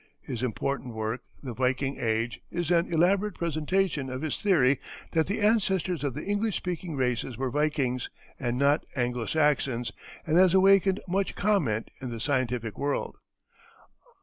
His important work, "The Viking Age," is an elaborate presentation of his theory that the ancestors of the English speaking races were Vikings and not Anglo Saxons, and has awakened much comment in the scientific world.